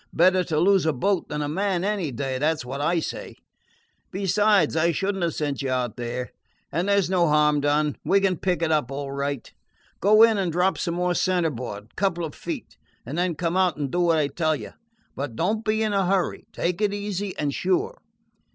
Better to lose a boat than a man any day; that 's what I say. Besides, I should n't have sent you out there. And there 's no harm done. We can pick it up all right. Go in and drop some more centerboard, a couple of feet, and then come out and do what I tell you. But don't be in a hurry. Take it easy and sure."